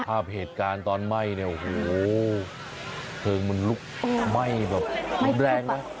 ภาพเหตุการณ์ตอนไหม้เนี่ยโอ้โหเพลิงมันลุกไหม้แบบรุนแรงนะ